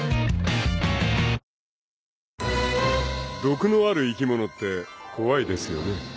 ［毒のある生き物って怖いですよね］